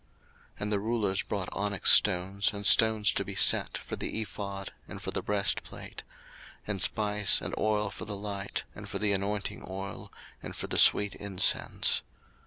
02:035:027 And the rulers brought onyx stones, and stones to be set, for the ephod, and for the breastplate; 02:035:028 And spice, and oil for the light, and for the anointing oil, and for the sweet incense.